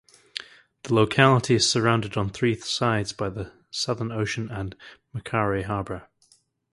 The locality is surrounded on three sides by the Southern Ocean and Macquarie Harbour.